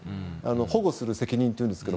保護する責任というんですが。